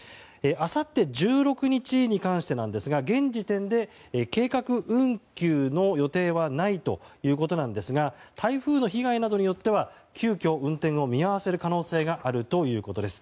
あさって１６日に関してですが現時点で計画運休の予定はないということなんですが台風の被害などによっては急きょ運転を見合わせる可能性があるということです。